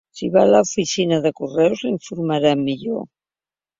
Si va a l'oficina de correus l'informaran millor.